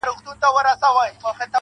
پر دې گناه خو ربه راته ثواب راکه.